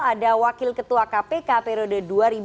ada wakil ketua kpk periode dua ribu lima belas dua ribu sembilan belas